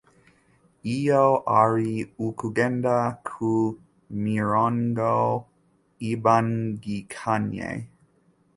Iyo ari ukugenda ku mirongo ibangikanye